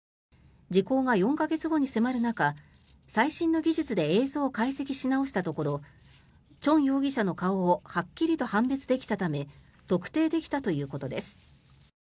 時効が４か月後に迫る中最新の技術で映像を解析し直したところチョン容疑者の顔をはっきりと判別できたため特定できたということです。